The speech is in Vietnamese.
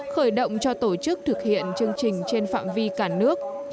khởi động cho tổ chức thực hiện chương trình trên phạm vi cả nước